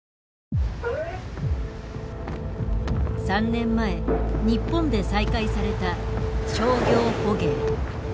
３年前日本で再開された商業捕鯨。